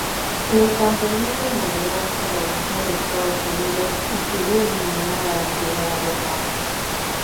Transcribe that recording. El Campeonato Mundial se realizó en Estados Unidos y quedó eliminada en primera ronda.